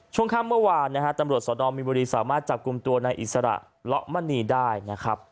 ช่วงค่ำเมื่อวานนะฮะตำรวจสนอมมีบุรีสามารถจับกลุ่มตัวในอิสระเลาะมณีได้นะครับ